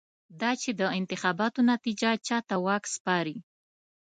دا چې د انتخاباتو نتېجه چا ته واک سپاري.